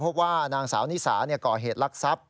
พบว่านางสาวนี่สานี่ก่อเหตุลักษณ์ทรัพย์